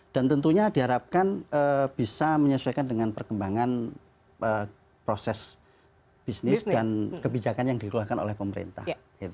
dan tentunya diharapkan bisa menyesuaikan dengan perkembangan proses bisnis dan kebijakan yang dikeluarkan oleh pemerintah